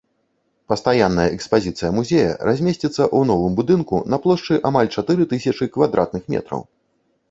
Пастаянная экспазіцыя музея размесціцца ў новым будынку на плошчы амаль чатыры тысячы квадратных метраў.